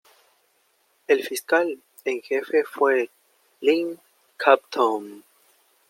El fiscal en jefe fue Lynn Compton.